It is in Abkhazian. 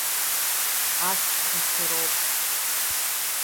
Ас ԥхашьароуп.